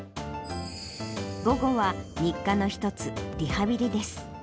午後は日課の一つ、リハビリです。